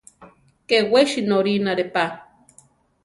Ké wesi norínare pa.